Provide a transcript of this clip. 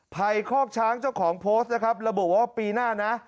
ภัยคอกช้างเจ้าของโพสต์นะครับระบุว่าปีหน้านะ